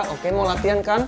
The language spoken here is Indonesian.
oke mau latihan kan